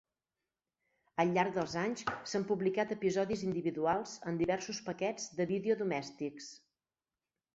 Al llarg dels anys s'han publicat episodis individuals en diversos paquets de vídeo domèstics.